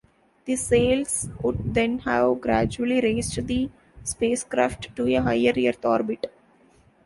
The sails would then have gradually raised the spacecraft to a higher earth orbit.